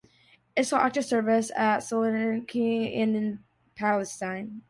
It saw active service at Salonika and in Palestine.